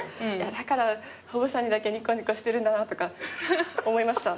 だから保護者にだけにこにこしてるんだなとか思いました。